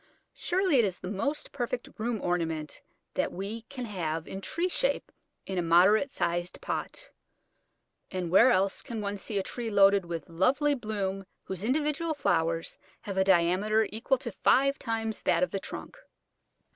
Surely it is the most perfect room ornament that we can have in tree shape in a moderate sized pot; and where else can one see a tree loaded with lovely bloom whose individual flowers have a diameter equal to five times that of the trunk?